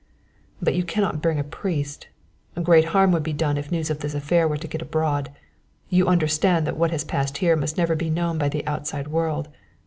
"But you can not bring a priest. Great harm would be done if news of this affair were to get abroad. You understand that what has passed here must never be known by the outside world.